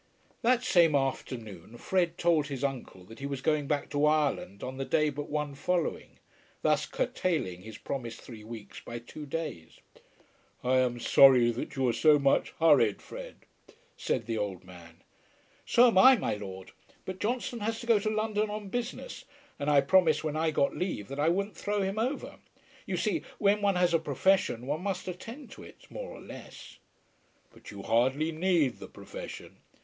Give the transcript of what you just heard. That same afternoon Fred told his uncle that he was going back to Ireland on the day but one following, thus curtailing his promised three weeks by two days. "I am sorry that you are so much hurried, Fred," said the old man. "So am I, my lord, but Johnstone has to go to London on business, and I promised when I got leave that I wouldn't throw him over. You see, when one has a profession one must attend to it, more or less." "But you hardly need the profession."